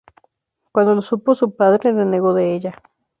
Cuando lo supo su padre, renegó de ella.